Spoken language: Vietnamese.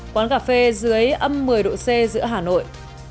quán cà phê dưới âm một mươi độ c giữa hà nội